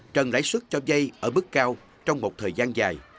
trần lãi suất cho dây ở mức cao trong một thời gian dài